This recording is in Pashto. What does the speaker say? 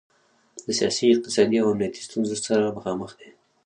د سیاسي، اقتصادي او امنیتي ستونخو سره مخامخ دی.